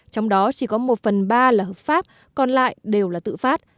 trong đó chỉ có một phần ba là hợp pháp còn lại đều là tự phát